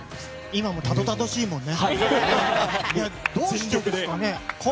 今もたどたどしいもんね。